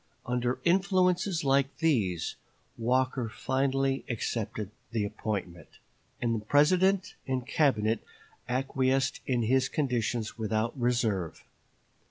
Under influences like these Walker finally accepted the appointment, and the President and Cabinet acquiesced in his conditions without reserve.